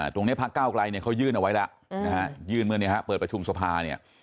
ตรงนี้พระเก้ากลัยเขายื่นเอาไว้แล้วยื่นเมื่อนี้เปิดประชุมสภา